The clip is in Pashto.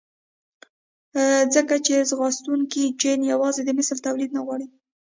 ځکه چې ځانغوښتونکی جېن يوازې د مثل توليد نه غواړي.